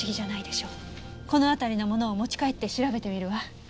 このあたりのものを持ち帰って調べてみるわ。